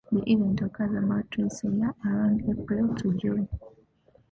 The event occurs about twice a year, around April-June.